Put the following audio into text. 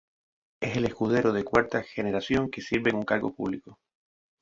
Es el Escudero de cuarta generación que sirve en un cargo público.